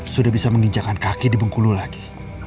sudah bisa menginjakan kaki di bengkulu lagi